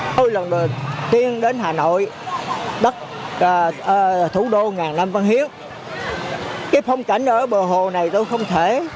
tôi lần đầu tiên đến hà nội bắc thủ đô ngàn năm văn hiến cái phong cảnh ở bờ hồ này tôi không thể